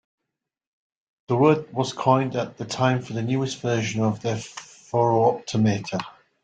The word was coined at that time for the newest version of their phoro-optometer.